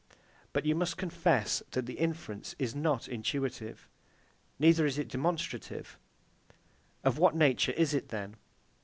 But you must confess that the inference is not intuitive; neither is it demonstrative: Of what nature is it, then?